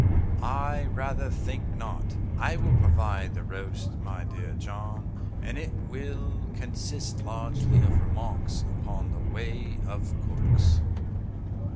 "I rather think not. I will provide the roast, my dear John, and it will consist largely of remarks upon the ways of cooks."